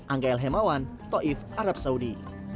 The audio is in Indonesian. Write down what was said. angga el hemawan toif arab saudi